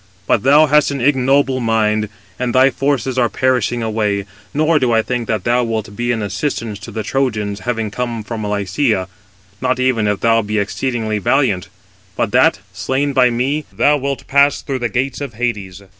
But thou hast an ignoble mind, and thy forces are perishing away; nor do I think that thou wilt be an assistance to the Trojans, having come from Lycia, not even if thou be exceedingly valiant; but that, slain by me, thou wilt pass through the gates of Hades."